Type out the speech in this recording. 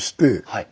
はい。